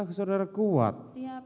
yang diperintahkan kan adalah saudara kod